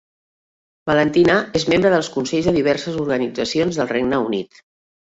Valentine és membre dels consells de diverses organitzacions del Regne Unit.